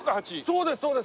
そうですそうです。